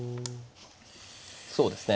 そうですね。